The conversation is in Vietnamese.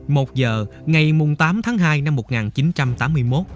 một giờ ngày tám tháng hai năm một nghìn chín trăm tám mươi một